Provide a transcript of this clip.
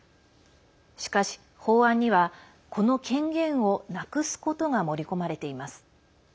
しかし、法案には、この権限をなくすことが盛り込まれています。